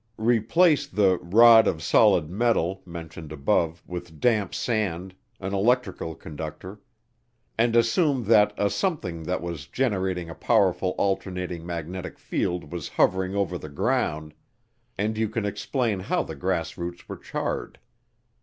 Replace the "rod of solid metal" mentioned above with damp sand, an electrical conductor, and assume that a something that was generating a powerful alternating magnetic field was hovering over the ground, and you can explain how the grass roots were charred.